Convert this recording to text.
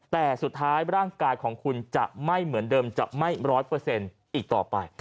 แต่สุดท้ายร่างกายของคุณจะไม่เหมือนเดิมจะไม่ร้อยเปอร์เซ็นต์อีกต่อไป